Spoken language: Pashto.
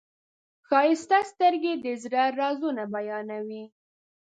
ښایسته سترګې د زړه رازونه بیانوي.